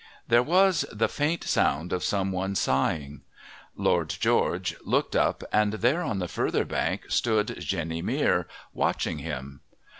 There was the faint sound of some one sighing, Lord George looked up, and there, on the further bank, stood Jenny Mere, watching him.